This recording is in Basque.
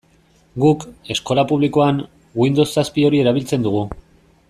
Guk, eskola publikoan, Windows zazpi hori erabiltzen dugu.